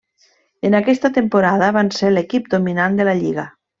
En aquesta temporada van ser l'equip dominant de la lliga.